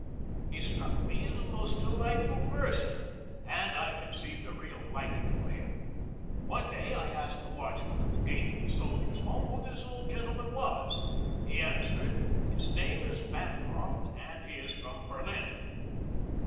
He struck me as a most delightful person and I conceived a real liking for him. One day I asked the watchman at the gate of the Soldiers' Home who this old gentleman was. He answered, "His name is Bancroft, and he is from Berlin."